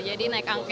jadi naik angke